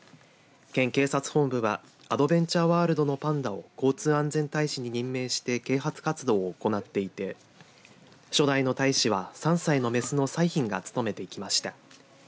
県警察本部はアドベンチャーワールドのパンダを交通安全大使に任命して啓発活動を行っていて初代の大使は３歳のメスの彩浜が務めてきました。